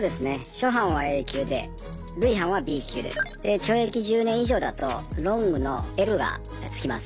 初犯はＡ級で累犯はＢ級でで懲役１０年以上だとＬｏｎｇのＬが付きます。